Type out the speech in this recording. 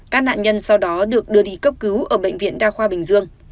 các nạn nhân sau đó được đưa đi cấp cứu ở bệnh viện đa khoa bình dương